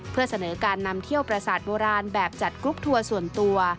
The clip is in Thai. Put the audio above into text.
เพื่อเสนอการนำเที่ยวประสาทโบราณแบบจัดกรุ๊ปทัวร์ส่วนตัว